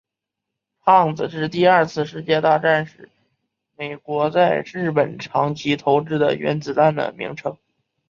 胖子是第二次世界大战时美国在日本长崎投掷的原子弹的名称。